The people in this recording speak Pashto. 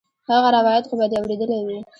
هغه روايت خو به دې اورېدلى وي.